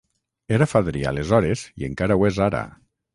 Era fadrí aleshores i encara ho és ara.